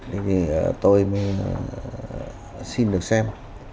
thế thì tôi xin được xem